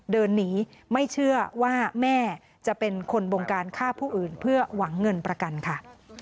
เดินหนีไม่เชื่อว่าแม่จะเป็นคนบงการฆ่าผู้อื่นเพื่อหวังเงินประกันค่ะ